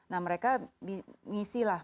nah mereka ngisi lah